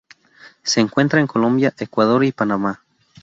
Se encuentra en Colombia, Ecuador y Panamá.